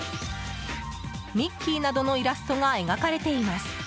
ミッキーなどのイラストが描かれています。